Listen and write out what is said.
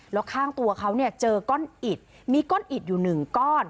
แล้วข้างตัวเขาเนี่ยเจอก้อนอิดมีก้อนอิดอยู่หนึ่งก้อน